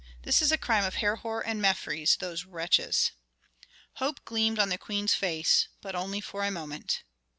This is a crime of Herhor and Mefres, those wretches." Hope gleamed on the queen's face, but only for a moment.